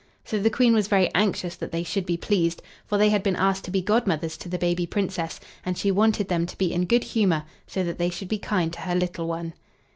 So the Queen was very anxious that they should be pleased; for they had been asked to be godmothers to the baby Princess, and she wanted them to be in a good humor so that they should be kind to her little one.